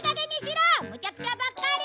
むちゃくちゃばっかり！